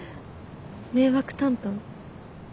迷惑担当？